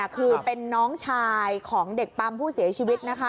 คือเป็นน้องชายของเด็กปั๊มผู้เสียชีวิต